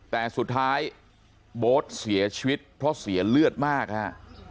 แต่สุดท้ายโบ๊ทเสียชีวิตเพราะเสียเลือดมากฮะ